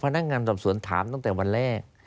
พนักงานสอบสวนถามตั้งแต่วันแรก